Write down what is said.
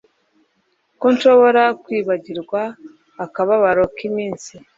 ko nshobora kwibagirwa akababaro k'iminsi